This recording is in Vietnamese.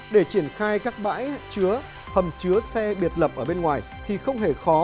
để triển khai các bãi chứa hầm chứa xe biệt lập ở bên ngoài thì không hề khó